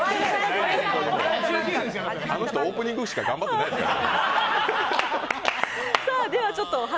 あの人オープニングしか頑張ってないですから。